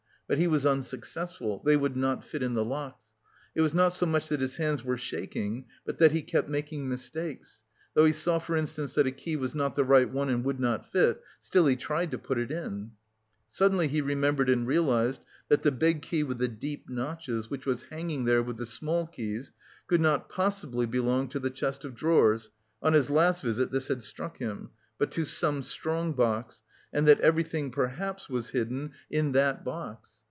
But he was unsuccessful. They would not fit in the locks. It was not so much that his hands were shaking, but that he kept making mistakes; though he saw for instance that a key was not the right one and would not fit, still he tried to put it in. Suddenly he remembered and realised that the big key with the deep notches, which was hanging there with the small keys could not possibly belong to the chest of drawers (on his last visit this had struck him), but to some strong box, and that everything perhaps was hidden in that box.